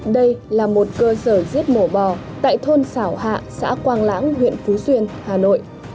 đây là một cơ sở giết mổ bò tại thôn xảo hạ xã quang lãng huyện phú xuyên hà nội